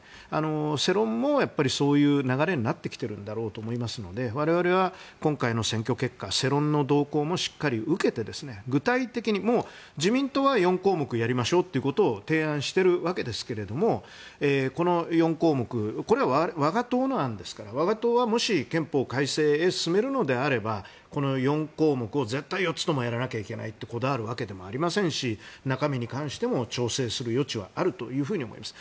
世論もそういう流れになってきていると思いますから我々は今回の選挙結果世論の動向もしっかり受けて具体的に自民党は４項目やりましょうと提案していますがこの４項目これは我が党の案ですから我が党は憲法改正へ進めるのであればこの４項目を絶対４つともやらなきゃいけないとこだわるわけでもありませんし中身に関しても調整する余地はあると思っています。